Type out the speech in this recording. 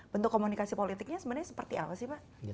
bentuk komunikasi politiknya sebenarnya seperti apa sih pak